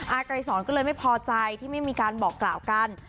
ไกรสอนก็เลยไม่พอใจที่ไม่มีการบอกกล่าวกัน